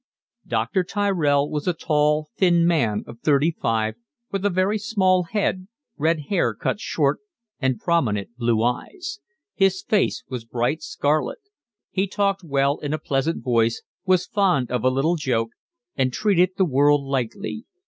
Dr. Tyrell was a tall, thin man of thirty five, with a very small head, red hair cut short, and prominent blue eyes: his face was bright scarlet. He talked well in a pleasant voice, was fond of a little joke, and treated the world lightly.